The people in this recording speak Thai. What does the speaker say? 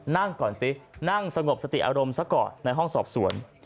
นั่งก่อนสินั่งสงบสติอารมณ์ซะก่อนในห้องสอบสวน